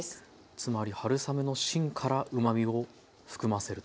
つまり春雨の芯からうまみを含ませると。